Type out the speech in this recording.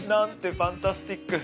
ファンタスティック